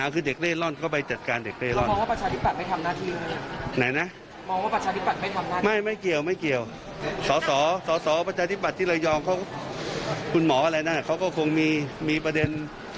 คุณหมออะไรนั่นนะก็คงมีมีประเด็น